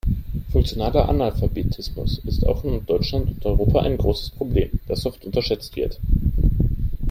Funktionaler Analphabetismus ist auch in Deutschland und Europa ein großes Problem, das oft unterschätzt wird.